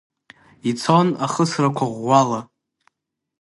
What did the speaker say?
Ицон ахысрақәа ӷәӷәала.